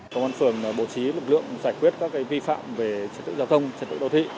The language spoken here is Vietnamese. công an phường bổ trí lực lượng giải quyết các vi phạm về trật tự giao thông trật tự đô thị